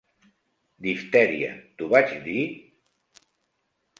Diftèria, t'ho vaig dir?